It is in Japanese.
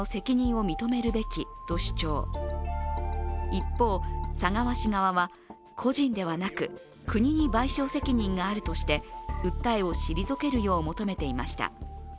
一方、佐川氏側は、個人ではなく国に賠償責任があるとして訴えを退けるよう求めていました。